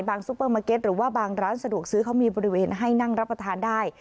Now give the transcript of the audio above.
ซูเปอร์มาร์เก็ตหรือว่าบางร้านสะดวกซื้อเขามีบริเวณให้นั่งรับประทานได้